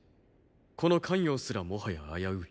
この咸陽すらもはや危うい。